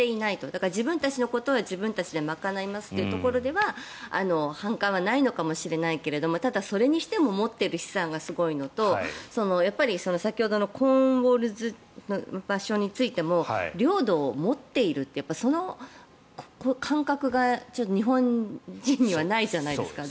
だから自分たちのことは自分たちで賄いますというところでは反感はないのかもしれないけどただ、それにしても持っている資産がすごいのとやっぱり先ほどのコーンウォールという場所についても領土を持っているというその感覚が日本人にはないじゃないですか。